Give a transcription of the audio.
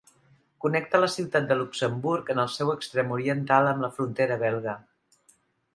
Connecta la ciutat de Luxemburg, en el seu extrem oriental, amb la frontera belga.